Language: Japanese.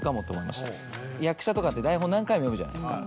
役者とかって台本何回も読むじゃないですか。